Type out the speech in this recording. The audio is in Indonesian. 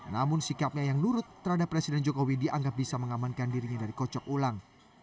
namun sikapnya yang nurut terhadap presiden jokowi dianggap bisa mengamankan dirinya dari kocok ulang